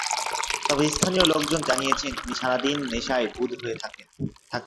তবে স্থানীয় লোকজন জানিয়েছেন, তিনি সারা দিন নেশায় বুঁদ হয়ে থাকতেন।